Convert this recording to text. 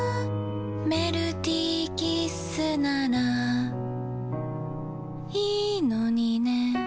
メルティーキッスならいいのにね